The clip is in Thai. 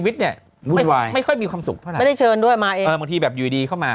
แต่อย่าให้ดูเลย